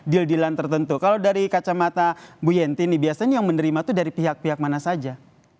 dildilan tertentu kalau dari kacamata mbak yanti ini biasanya yang menerima itu dari pihak pihak mana saja